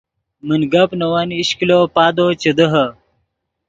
من گپ نے ون ایش کلو پادو چے دیہے